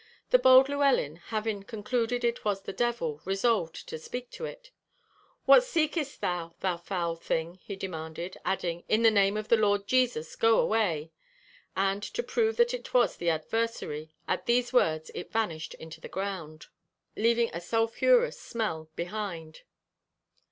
The bold Llewelyn having concluded it was the devil, resolved to speak to it. 'What seekest thou, thou foul thing?' he demanded, adding, 'In the name of the Lord Jesus go away!' And to prove that it was the adversary, at these words it vanished into the ground, leaving a sulphurous smell behind.